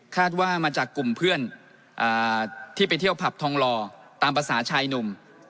ว่ามาจากกลุ่มเพื่อนที่ไปเที่ยวผับทองหล่อตามภาษาชายหนุ่ม